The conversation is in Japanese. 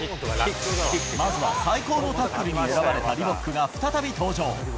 まずは最高のタックルに選ばれたリボックが、再び登場。